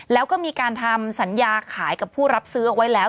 แล้วก็มีการทำสัญญาขายกับผู้รับซื้อเอาไว้แล้ว